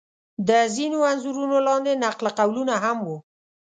د ځینو انځورونو لاندې نقل قولونه هم و.